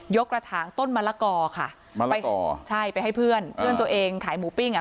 กระถางต้นมะละกอค่ะไปห่อใช่ไปให้เพื่อนเพื่อนตัวเองขายหมูปิ้งอ่ะ